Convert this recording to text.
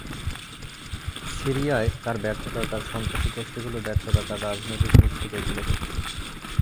সিরিয়ায় তাঁর ব্যর্থতা, তাঁর সন্ত্রাসী গোষ্ঠীগুলোর ব্যর্থতা তাঁর রাজনৈতিক মৃত্যুকেই তুলে ধরছে।